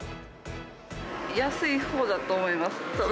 安いほうだと思います。